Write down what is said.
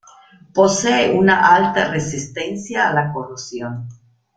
Posee una alta resistencia a la corrosión.